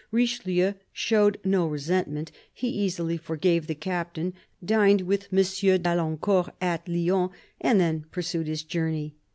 Richelieu showed no resentment. He easily forgave the captain, dined with M. d'Alincourt at Lyons, and then pursued his journey.